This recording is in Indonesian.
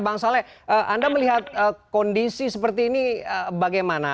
bang saleh anda melihat kondisi seperti ini bagaimana